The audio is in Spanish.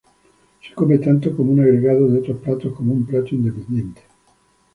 Se come tanto como un agregado de otros platos como un plato independiente.